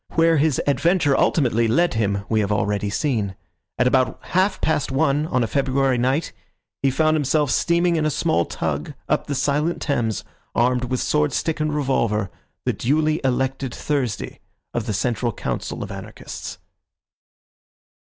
Where his adventure ultimately led him we have already seen. At about half past one on a February night he found himself steaming in a small tug up the silent Thames, armed with swordstick and revolver, the duly elected Thursday of the Central Council of Anarchists.